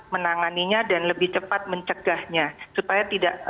menanganinya dan lebih cepat mencegahnya